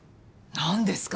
何ですか？